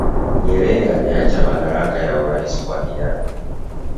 nyerere aliacha madaraka ya uraisi kwa hiyari